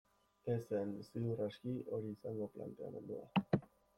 Ez zen, ziur aski, hori izango planteamendua.